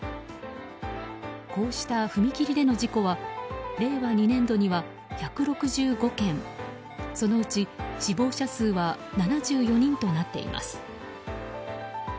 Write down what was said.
こうした踏切での事故は令和２年度には１６５件そのうち死亡者数は７４人となっています。